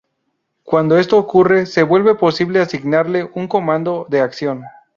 Cuando esto ocurre, se vuelve posible asignarle un comando de acción.